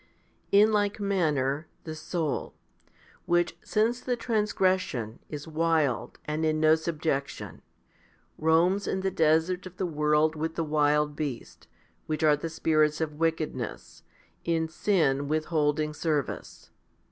In like manner, the soul, which since the transgression is wild and in no subjection, roams l in the desert of the world with the wild beasts, which are the spirits of wickedness, in sin withholding service.